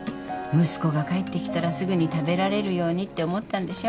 息子が帰ってきたらすぐに食べられるようにって思ったんでしょ。